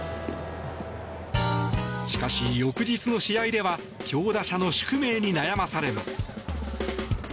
しかし翌日の試合では強打者の宿命に悩まされます。